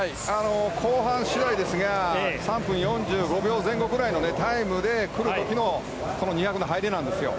後半次第ですが３分４５秒前後ぐらいのタイムでくる時の２００の入りなんですよ。